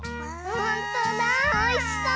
ほんとだおいしそう！